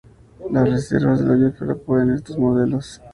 Las Reservas de la Biosfera ofrecen estos modelos.